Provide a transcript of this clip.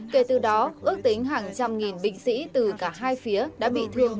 kể từ đó ước tính hàng trăm nghìn binh sĩ từ cả hai phía đã bị thương